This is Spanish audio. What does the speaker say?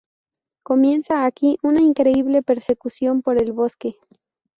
Comienza aquí una increíble persecución por el bosque.